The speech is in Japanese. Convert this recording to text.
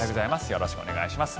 よろしくお願いします。